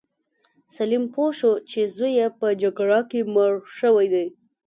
سلیم پوه شو چې زوی یې په جګړه کې مړ شوی دی.